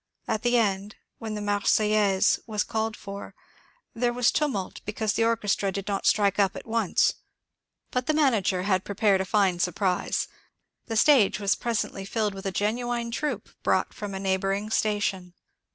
At the end, when the *' Marseillaise " was called for, there was tumult because the orchestra did not strike up at once ; but the manager had prepared a fine surprise : the stage was presently filled with a genuine troop brought from a neighbouring station.